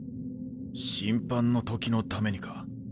審判の時のためにか？